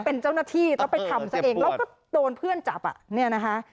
เป็นเจ้าหน้าที่แล้วไปทำซะเองแล้วก็โดนเพื่อนจับอ่ะเนี่ยนะคะ